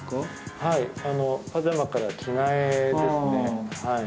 はいパジャマから着替えですね